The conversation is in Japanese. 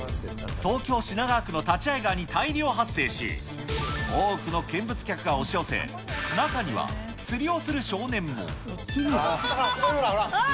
東京・品川区の立会川に大量発生し、多くの見物客が押し寄せ、釣れてる、釣れてる。